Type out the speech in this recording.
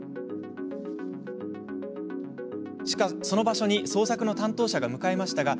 その場所に捜索の担当者が向かいました。